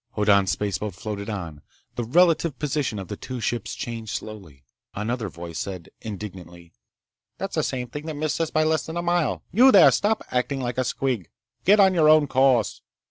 Hoddan's spaceboat floated on. The relative position of the two ships changed slowly. Another voice said indignantly: "That's the same thing that missed us by less than a mile! You, there! Stop acting like a squig! Get on your own course!"